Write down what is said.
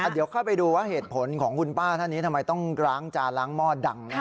เดี๋ยวค่อยไปดูว่าเหตุผลของคุณป้าท่านนี้ทำไมต้องล้างจานล้างหม้อดัง